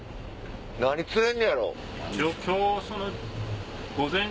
何釣れんねやろ？